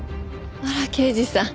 あら刑事さん